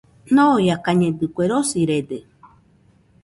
Ñoiakañedɨkue, rosirede.